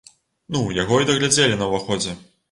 Ну, яго і дагледзелі на ўваходзе.